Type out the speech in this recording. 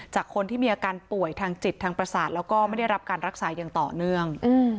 จากคนที่มีอาการป่วยทางจิตทางประสาทแล้วก็ไม่ได้รับการรักษาอย่างต่อเนื่อง